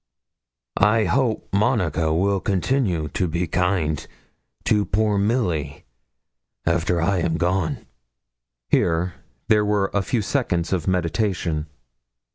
'I hope Monica will continue to be kind to poor Milly after I am gone.' Here there were a few seconds of meditation.